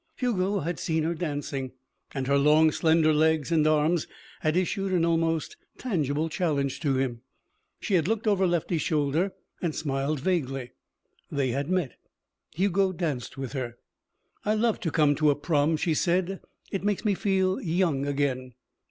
Hugo had seen her dancing, and her long, slender legs and arms had issued an almost tangible challenge to him. She had looked over Lefty's shoulder and smiled vaguely. They had met. Hugo danced with her. "I love to come to a prom," she said; "it makes me feel young again."